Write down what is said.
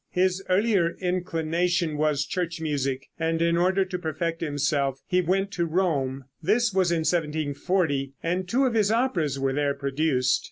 His earlier inclination was church music, and in order to perfect himself in it he went to Rome. This was in 1740, and two of his operas were there produced.